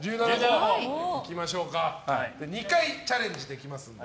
２回チャレンジできますので。